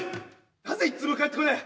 なぜ一通も返ってこない。